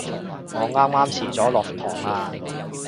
我啱啱遲咗落堂啊